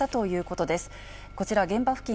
こちら、現場付近